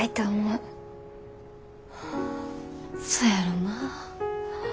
そやろなぁ。